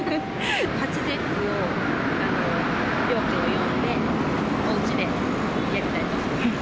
初節句を両家を呼んで、おうちでやりたいと思ってます。